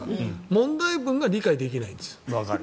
問題文が理解できないんです。